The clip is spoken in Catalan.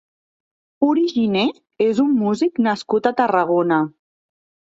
Uri Giné és un músic nascut a Tarragona.